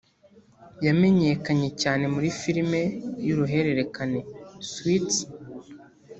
yamenyekanye cyane muri filime y’uruhererekane ‘Suits’